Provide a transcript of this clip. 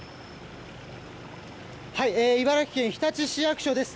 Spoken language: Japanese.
茨城県日立市役所です。